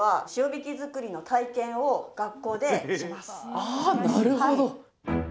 あなるほど。